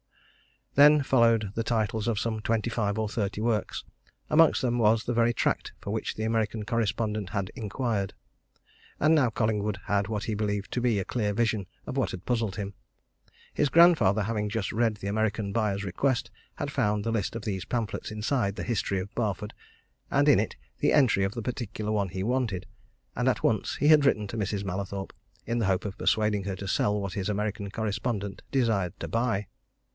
Then followed the titles of some twenty five or thirty works amongst them was the very tract for which the American correspondent had inquired. And now Collingwood had what he believed to be a clear vision of what had puzzled him his grandfather having just read the American buyer's request had found the list of these pamphlets inside the History of Barford, and in it the entry of the particular one he wanted, and at once he had written to Mrs. Mallathorpe in the hope of persuading her to sell what his American correspondent desired to buy.